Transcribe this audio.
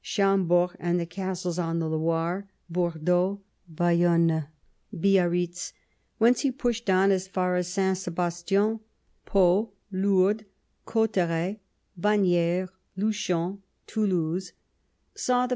Chambord and the castles on the Loire, Bordeaux, Bayonne, Biarritz — ^whence he pushed on as far as Saint Sebastien — Pau, Lourdes, Cauterets, Bagneres, Luchon, Toulouse, saw the